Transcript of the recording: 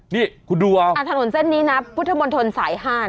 นี่คุณดูเอาอ่ะถนนเส้นนี้นะพุทธมนต์ถนนสาย๕นะ